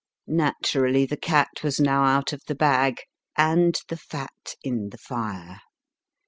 Naturally the cat was now out of the bag, and the fat in the fire.